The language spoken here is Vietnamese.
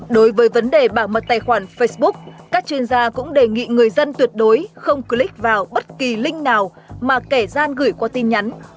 đối với vấn đề bảo mật tài khoản facebook các chuyên gia cũng đề nghị người dân tuyệt đối không click vào bất kỳ link nào mà kẻ gian gửi qua tin nhắn